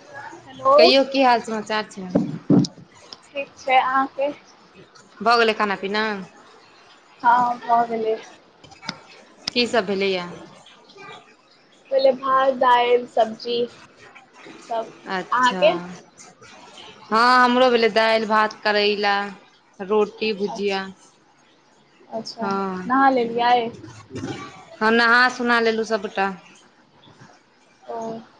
[inaudible] Hello कहियौ की हाल समाचार छै। [inaudible] ठीक छै अहाँके? भ गेलै खाना पीना। हँ भ गेलै। [inaudible] की सब भेलैया? भेलै भात दालि सब्जी। सब [inaudible] अच्छा। अहाँके हँ हमरो भेलै, दालि भात करैला। रोटी भुजिया अच्छा अच्छा हँ। नहा लेलियै [inaudible] [inaudible] हं नहा सुना लेलुं सबटा। ओ। [inaudible]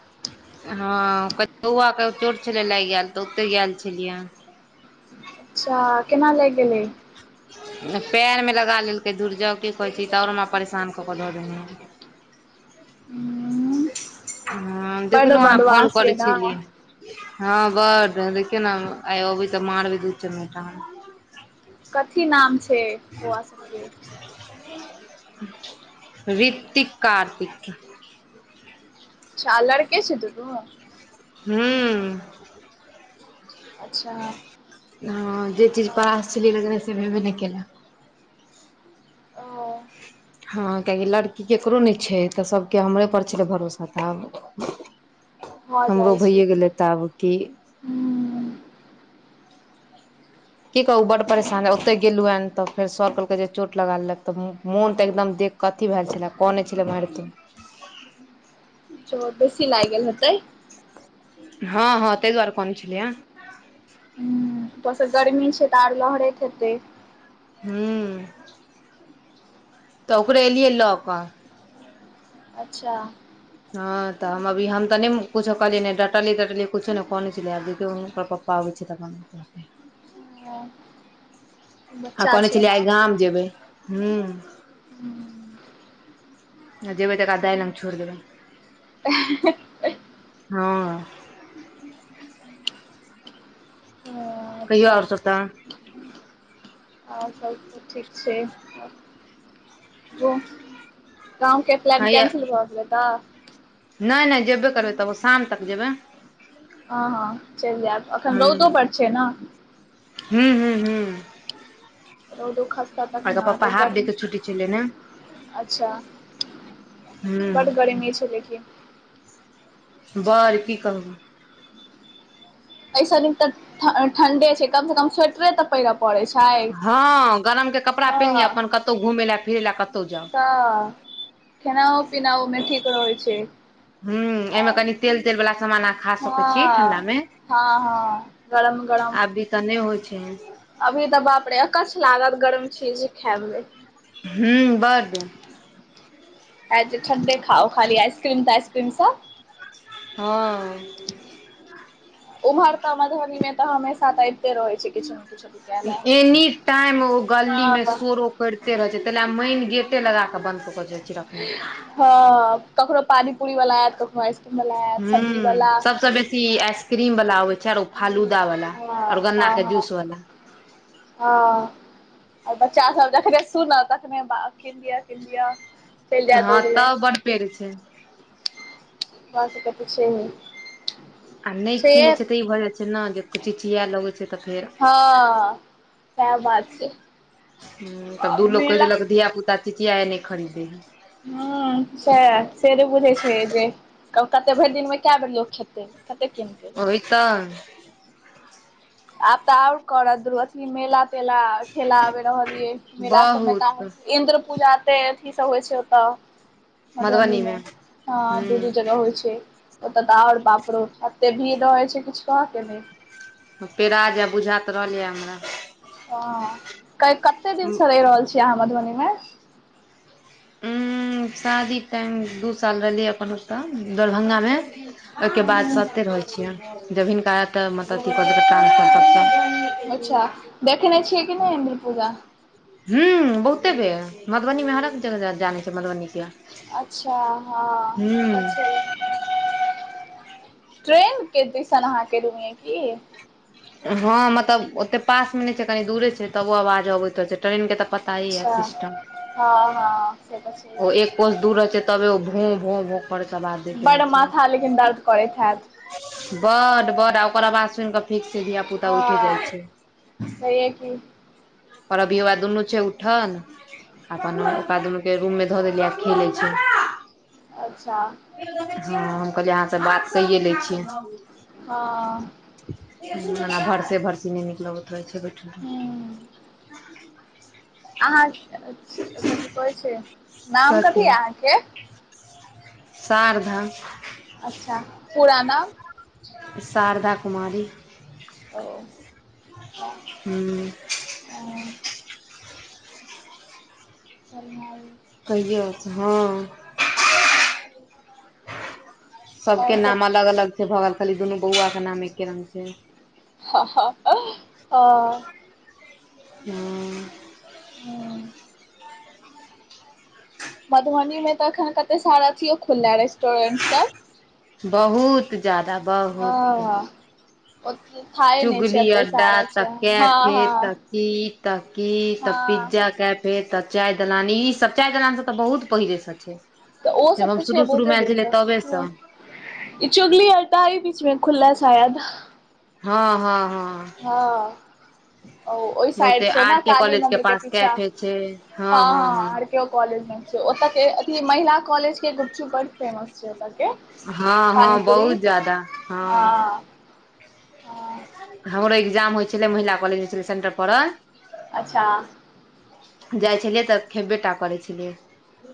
हँ ओकर बौआके चोट छलै लाइग गैल त ओतै गैल छलिअइए। जा केना लागि गेलै? ओ पैरमे लगा लेलकै। दुर जाउ की कहै छी ई त और हमरा परेशान क क ध देने य। उम्म, हं बड्ड देखलौं अहाँ फोन बदमाश यै करै ने छलियैया। हं बड देखियौ न हम आइ आबै त मारबै दू चमेटा। कथी नाम छै, बौआ सबके। [unintelligible] ऋतिक-कार्तिक। अच्छा लड़के छै दुनू? हूं अच्छा [inaudible] हं जे चीज ओ पास छलै [unintelligible] से भेबे नै केलै। ओ। हँ कियाकि लड़की केकरो नहि छै तऽ सभके हमरे पर छलै भरोसा तऽ आब भऽ जाइ हमरो छै भैए गेलै तऽ आब की हूँ की कहूॅं बड्ड परेशान ह ओतय गेलुहन तऽ फेर सब कहलकै जे चोट लगा लेलक तऽ मोन तऽ एकदम देख कथी भेजैछलेए कनै छलै मारिते। चोट बेसी लाइगेल हेतै। हँ हँ तै दुआरे कनै छलैय। ऊपर सँ गर्मी छै तऽ आर लहरैत हेतै। हूॅं। तऽ ओकरे एलियै लऽक। अच्छा। हँ तऽ हम अभी हम तऽ नै किछो कहलियै नै डटलियै तटलीए किछो नहि कनै छलियै आब देखयौ ओकर पप्पा आबै छै तहन आ हँ बच्चा कहने छै ने छलियै आइ गाम जेबै हूॅं। हूॅं आ जेबै तऽ एकरा दाय लग छोड़ि देबै। हेंह हुँ। कहियो अच्छा और सब तहन। और सब ठीक छै। गो गाँव के प्लान कैंसिल भ गेलै त। नहि-नहि जेबे करबै तबो शाम तक जेबै। हँ हँ चलि जायब अखन रौदो बड छै न। हूँ-हूँ-हूँ रौदो खस्ता तखन एकर नऽ पप्पा एते हाफ डे गरम के छुट्टी छलै ने अच्छा। हूँ बड गरमी छै लेकिन। बड़ की कहबु। ऐसऽ दिन तऽ ठंडे छै कम सँ कम स्वेटरे तऽ पहिरब। हँ गरमके कपड़ा पेन्नी हँ अपन कतहुॅं घुमय लए फिरे लए कतहु जाऊ। हँ खेनाओ पीनाओ मे ठीक रहै छै। हाँ एहिमे आओर कनि तेल-तेल वला समान अहाँ खा सकैत छी ठंडा मे। हाॅं हाॅं गरम-गरम। आबभी तऽ नहि होइ छै एहन। अभी तऽ बाप रे अकछ लागत गरम चीज खाए मे। हूँ बड। आ ठंडे खाओ खाली आइसक्रीम ताआइसक्रीम सब। हाॅं। उम्हर तऽ मधुबनी मे तऽ हमेशा तऽ अबिते रहै छै किछो ने किछो बिकाय लए। ताहि मे ओ गली मे हँ सु सोर करिते रहैत छै तै लए मेन गेटे लगा कऽ बंन्द कऽक जाइ छी रखने। हऽ कखनो पानी पूरी वला आएत कखनो आइस ह्म सबसँ बेसी ई आइस क्रीम बला आबै छै आर ओ फालूदा वला हँ आर गन्ना के जूसवला। ह। आ बच्चा सब जखने सुनत तखने बा किन दिअ, किन दिअ- चलि जायत हँ तब बड्ड पेड़ै छै। बस कपै छै। आ नै किनै छै तऽ ई भऽ जाय छै न जँ चिचिया लगै छै तऽ फेर- हँ सएह बात छै। हम्म तब दू लोक कैह मेला देलक धियापुता चिचिया है नै खरीदै - हँ साएह सँ नहि बुझै‌ छै जँ कते भैर दिनमे कऽ बेर लोक खेतै। कते किनते। ओहि तऽ आब तऽ और करत दू अथि मेला- ठेला ठेला आबे रहल यै मेला सब मे बहुत तऽ इन्द्र पूजा- ओतेय अथी सब होइ छै ओतऽ मधुबनी मे हँ दू दू हूं जगह होय छै। ओतऽ तऽ और बापड़ो एते भीड़ रहै छै किछ कहऽ के नै। पेराजेएब बुझात रहलयए हमरा। हँ कऽ कते दिन सँ रैह रहल छियै आहाँ मधुबनी में- उम्म शादी टाएम दू साल रहलियै अपन ओतऽ दरभंगामे- ओयके बाद सँ एते रहै छियै जब हिनका अतऽ मतलब अथी कऽ देलकै ट्रांसफर तबसँ। अच्छा देखने छियै की नै इंन्द्र पूजा? हूँम्म बहुते बेर मधुबनी मे हरेअक जगह जानै छियै मधुबनी के। अच्छा हँ ओतऽ हुं छै। ट्रेन के दिशन आहाँ के रूम यऽ की? हँ मतलब ओतेक पास मे नै छै कनि दूरे छै तबो आवाज अबैत रहै छै ट्रेन कऽ तऽ पट- ताए या अच्छा सिस्टम हँ हँ से तऽ छैहे ओ एक- कोस दूर रहै छै तबे ओ भो, भो, भो करै छै अबाज- बड़ माथा लेकिन दर्द करैत हेएत? बड्ड- बड्ड आ ओकर अबाज सुन कऽ फिक्स छै धिया- पुता उठे जाइ हँ छै सहिए की- पर अभी वएह दुन्नू छै उठल- अपन ओकरा दुनू के रूममे धऽ देलियै आब खेलै छै। अच्छा जी हँ हम कहलियै आहाँसँ बात कैये लै छी। हँ। नाना भरसे- भरसी नै निक लगैत रहै छै बैठल- रहल। हूँ आहाँ कथि कहै छै नाम कथी या आहाँके? शारधा अच्छा पुरा नाम? शारधा कुमारी ओ अच्छा हूँ। बरियां अइ। कहियो हँ। सबके आओर सब नाम अलग अलग छै भऽ गेल खाली दुनू बौआ के नाम एके रंग छै। ह, ह, हँ। हं हँ [unintelligible] मधुबनी मे तऽ एखन कत्ते सारा अथियो खुललैऽ रेस- बहुत जादा बहुत हँ ओते थाए नहि छै चुगली एते अड्डा सारा त छै हँ कैफे त हँ की त की तब हँ पिज्जा कैफे तऽ चाय दलान, ई सब चाय दलान तऽ बहुत पहिले सब छै। तऽ ओ जब सब हम तऽ छै शुरू शुरू बहुत्ते मे आयल दिनस। छलियै तबेसँ हँ ई चुगली अड्डा इ बीचमे खुलले शायद हँ- हँ- हँ हँ ओ ओय साइड बहुते छै ने आर के काली कॉलेज मंन्दिर के पास पीछा। कैफे छै हँ- हँ आर केओ कॉलेज मे छै। ओत के अथी महिला कॉलेज के गुपचुप बड्ड फेमस छै। छै ओतके, हँ हँ पानीपूरी। बहुत ज्यादा हँ हँ हमरो एगजाम होइ छलै महिला कॉलेज में छलय सेंटर पडल अच्छा जाइ छलियै तऽ खेब्बेटा करै छलियै।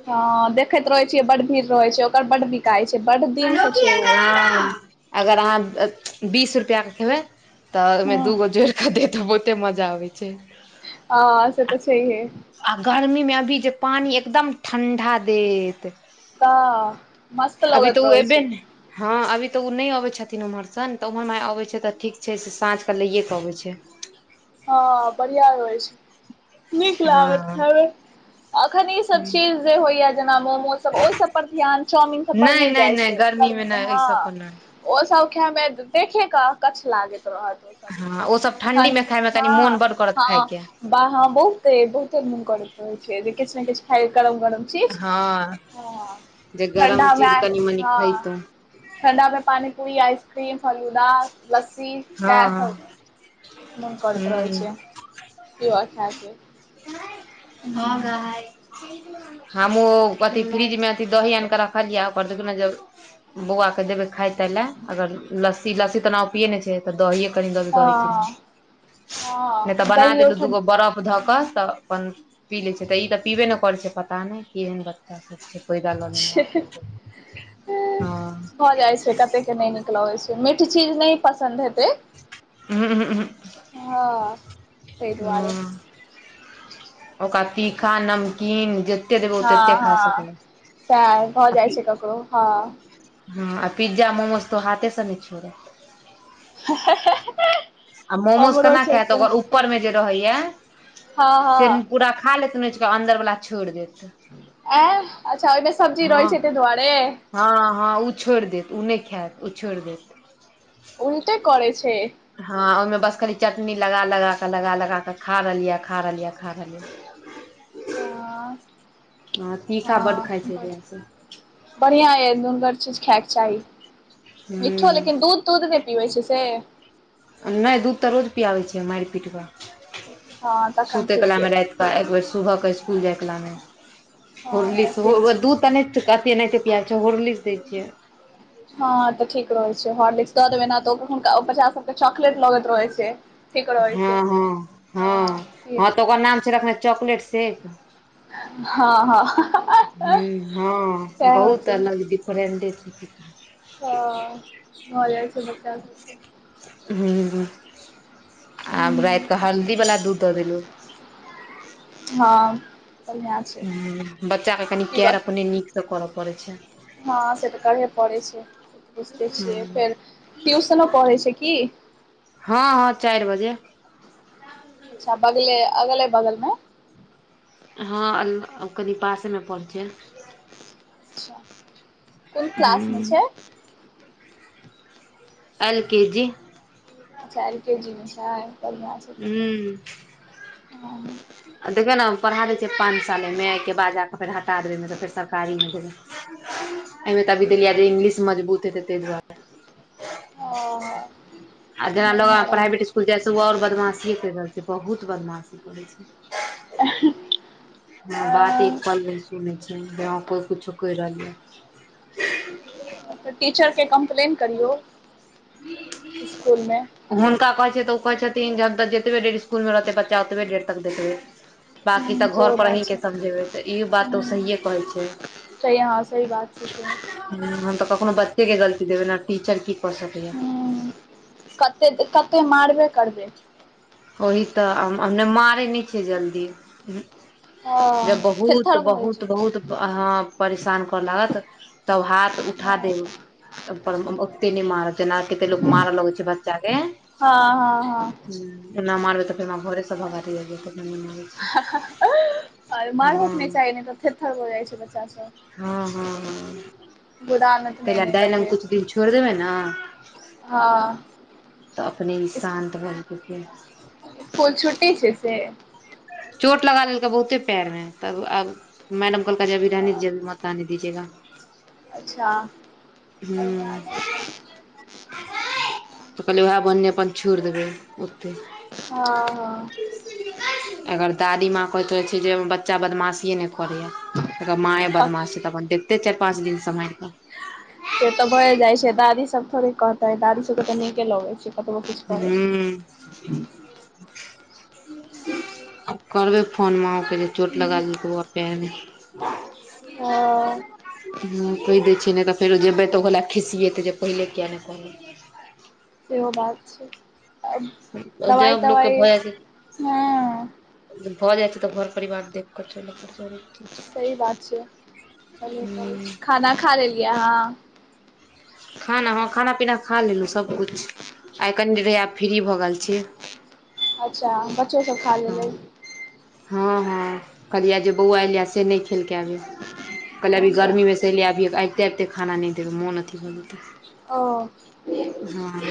हँ देखैत रहैत छियै बड्ड भीड़ रहै छै। ओकर बड्ड बिकाय छै। बड दिनसँ छै ओ ओत हँ अगर अहाँ [unintelligible] बीस रुपैआके खेबै तऽ ओयमे हूँ दूगो जोइड़ कऽ देत- बु- ते मजा आबय छै। हँ से त छैहे। आ गर्मी मे अभी जे पानी एकदम ठंडा देत। तऽ मस्त अभी तऽ लगैत ओ रहै एबे छै। ने हँ अभी तऽ उ नय अबै छथिन ओम्हर स नैतऽ ओम्हर माहे अबैत छैतऽ ठीक छै से साँझके लैयैके अबैत छै। हँ बढ़िया रहै छै। नीक लागत हँ खायमे। अखन ई सब चीज जे होइयैऽ जेना मोमोसभ ओ सभ पर ध्यान चामीन सभ पर नहि नय नहि जाइ नहि छै। गर्मी मे गर्मीमे नहि एहि हँ। सब पर नहि ओ सब खैमे देखे के अकच्छ लागैत रहत। सब हँ ओ सब ठंडी मे खाय मे कनी मोन बड्ड करत खायके। बाह हं बहुते, बहुते मोन करैत रहै छै जे किछ ने किछ खाय गरम -गरम। चीस हँ जे गरम ठंडामे चीज कनि आइस मनि हँ खैतौं ठण्डा मे पानीपूरी, आइसक्रीम, फलूदा, लस्सी हँ सैह हँ सब मोन करैत रहै हूँ छै पीबऽ खैके। [unintelligible] हमूँ, कथी फ्रिज मे अथी दही आइन कऽ रखलियै ओकर बौआके देबै खाय ताय लए अगर लस्सी, लस्सी ओना उ पियैय नय छै तऽ दहीए कनि दऽ देबय दही चीनी। नय तऽ हँ बना दहियो देलु दूगो ठण्डा बरफ धऽ कऽ तऽ अपन पी लै छै। तऽ ई तऽ पीबे नय करै छै पता नय केहेन बच्चा सब छै। पैदा लऽ लेने हँ भऽ जाइ छै। कत्ते के नय निक लगे छै मिठ- ठ-चीज नय पसन्द हेतै। हँ ताहि [unintelligible] दुआरे हुं- ओका तीखा नमकीन जे ते देबेय ओ हँ तत्ते खाऽ सकयैऽ। ओकरो हँ हँ आ पिज्जा मोमोज तओ हाथ से नय छोड़त हँ आ मोमोज कना खैत ओकर ऊपर मे जे रहैया हँ से हँ पूरा खा लेत नोइचके अन्दर वला छोइड़ देत। एँ अच्छा ओयमे सब्जी रहै हँ छैय तय दुआरे। हँ- हँ उ छोइड़ देत उ नै खैत उ छोइड़ देत। उलटे करय छैय। हँं ओयमे बस कनि चटनी लगा- लगा क लगा- लगा क खा रहलिया, खा रहलिया, खा रहलिया। हँ हँ तीखा बड खाय छैय बौआ सब। बढ़ियाँ अय नुनगर चीज खायके चाही मिठो लेकिन हूँ दूध दूध नय पीबै छैय से। नय दूध त रोज पियाबै छियै माइर पीट क। हँ तखन सुतै ठीक य कलामे तऽ रातिकऽ एक बेर सुबहके स्कुल जाय कलामे। हँ तऽ होर्लिक्स हो ठीक उहो छै दूध त नै अते एनाहिते पिया छैय होर्लिक्स दै छियै। हँ त ठीक रहे छैय हॉर्लिक्स दऽ देबै ने तऽ हुनका ओ बच्चा सबके चॉकलेट लगैत रहै छैय। हँ- हँ -हँ -हँ त ओकर नाम छैय रखने चॉकलेट शेक। हँ- हँ। हँ हम्म हँ सएह होइ बहुत छै अलग डिफरेंडे छैय कि कहु। हँ भ जाइ छैय बच्चा। सबके हूँ-हूँ। आब राइत क हल्दीवला दूध द देलु। हँ बढ़िआँ छै हूँ बच्चा के कनि केयर पीबऽ अपने नीक स करऽ पड़े छैय। हँ से त करहे पड़ै छैय बुझिते ह छियै फेर ट्यूशनो पढ़ै छैय की। हँ-हँ चाइर बजे। अच्छा बगले अगले बगलमे। हँ अल कनि पासेमे परे छैय। अच्छा कोन क्लासमे हूं, छैय। एल-के-जी। अच्छा एल-के-जी मे छैय। हूँ। हँ देखियौ न हम पढ़ा दै छियै पाँच साल अइमे ऐके बाद जाकऽ फेर हटा देबै अइमेसऽ फेर सरकारीमे देबै। एयमे त अभी देलियैए जे इंग्लिश मजबूत हेते तै दुआरे। आ जेना बढ़िआँ लगमे रह प्राइवेट स्कुल जाइ से उ और बदमाशि करि रहल छैय बहुत बदमाशी करै छैय। अ। [inaudible] हँ बात एक पल नय सुनै छैय कोइ कुछो कैर रहलियऽ। त टीचरके कम्प्लेन करियौ इसकुलमे। हुनका कहै छियै त ओ कहै छथिन जे हम जतबे देर इसकुलमे रहतै बच्चा ओतबे देर तक देखबै बाकी त ह घर सेहो पर अहीं बात के छै समझेबै त इहो बात ओ सहिए कहै छैय। सही हँ सही बात छैय सेहो। हूँ हम त कखनो बच्चेके गलती देबै ने टीचर की क सकैया। कते-कते मारबे करबे। ओही त हम- हम नय मारै नय छियै जल्दी। हँ जब थेथर भऽ जाइ छै बहुत-बहुत-बहुत अ हँ परेशान करऽ लागत तब हाथ उठा हँ देब। ओते नय मारत जेना कते लोक मारऽ लगै छैय बच्चाके। हँ हँ हुं एना मारबे तऽ फेर हमरा घरे से भगा [unintelligible] और मारबो हँ के नै चाही नै तऽ थेथर भऽ जाए छै बच्चा सब। हां-हां-हां गोदानत तै नहि लय कै नहि दाय तऽ लग कुछ दिन छोड़ देबै नै हां। तऽ अपने ई शान्त भऽ जेतै फेर स्कूल छुट्टी छै से चोट लगा लेलकै बहुते पैर मे तब आब मैडम कहलकै जे अभी रहने दीजिए अभी मत आने दीजिएगा। अच्छा बढ़िया हूँ छै तब। तऽ कहलियै उहै बह्हने अपन छोएड़ देबै ओतै। हां-हां। ऐकर दादीमाँ कहैत रहे छै जे हमर बच्चा बदमाशिए न करय यै। एकर मांए हँ बदमाश छै तऽ अपन देखते चाएर पाँच दिन सम्हाएर कै। से तऽ भ ए जाए छै, दादी सब थोड़ी कहते दादी सबके तऽ नीके लगे छै। हूं। ह ह करबै फोन माँ ओ के जे चोट लगा लेलको बउवा पैर में। हँ हां कह दै छियै नै तऽ फेरो जेबै तऽ ओकरा लए खिसयेतै जे पहिले किया नै कहलै। सेहो बात छै आ जब लोकके दबाई-तबाई भऽ जाइ छै हां भऽ जाइ छै तऽ घर परिवार देख कऽ चलै पड़े छै, [unintelligible] सही बात छै, चलै पड़े छै, खाना खा लेलियै अहाँ? खाना हां खाना-पीना खा लेलो सब कुछ आइ कनि देर हेयै आब फ्री भऽ गेल छीयै। अच्छा बत से सब खा लेलै हां-हां-हां कहलियै जे बौआ ऐल यै से नै खेलकै अभी। कहलियै अभी अच्छा गर्मी मे से एले यै अभी अइबते-अइबते खाना नै देबै मोन अथी भऽ जेतै। औ। हां।